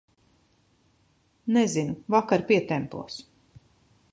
Nezinu, vakar pietempos.